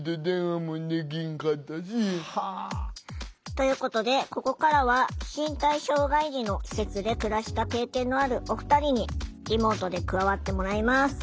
ということでここからは身体障害児の施設で暮らした経験のあるお二人にリモートで加わってもらいます。